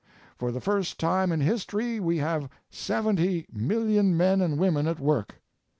For the first time in history we have 70 million men and women at work.